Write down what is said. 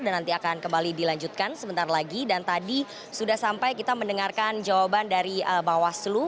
dan nanti akan kembali dilanjutkan sebentar lagi dan tadi sudah sampai kita mendengarkan jawaban dari bawaslu